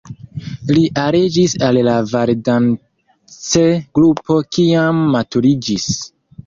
Li aliĝis al la Vardanantz-grupo kiam maturiĝis.